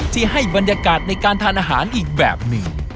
ทำเป็นเร็วขอทำเป็นเร็ว